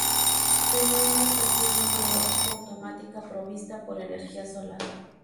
Tenía una estación meteorológica automática provista por energía solar.